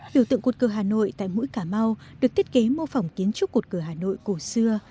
biểu tượng cột cử hà nội tại mũi cà mau được thiết kế mô phỏng kiến trúc cột cử hà nội cổ xưa